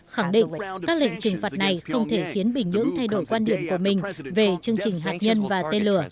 khẳng định các lệnh trừng phạt này không thể khiến bình nhưỡng thay đổi quan điểm của mình về chương trình hạt nhân và tên lửa